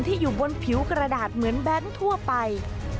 อยู่บนผิวกระดาษเหมือนแบงค์ทั่วไป